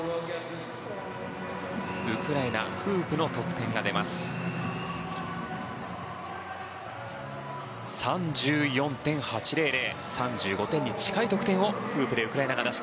ウクライナフープの得点は３４．８００。